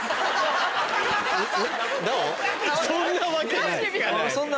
そんなわけない。